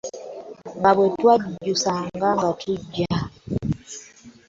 Nga bwetwajusanga nga tujja .